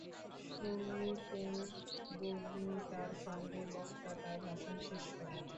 সুনিপুণ বাগ্মিতার সঙ্গে বক্তা তাঁর ভাষণ শেষ করেন।